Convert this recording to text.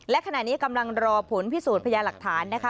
และขณะนี้กำลังรอผลพิสูจน์พยาหลักฐานนะคะ